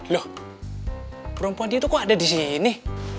loh perempuan dia tuh kok ada disini